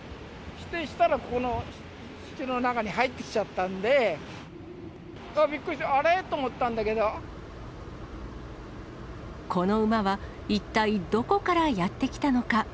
したら、ここの中に入ってきちゃったんで、いやー、びっくりした、この馬は一体どこからやって来たのか。